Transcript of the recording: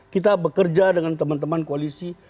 kita bekerja dengan teman teman koalisi